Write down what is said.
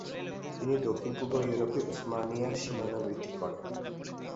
তিনি দক্ষিণপূর্ব ইউরোপে উসমানীয় সীমানা বৃদ্ধি করেন।